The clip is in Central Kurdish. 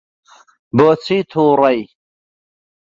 بۆچی تووڕەی؟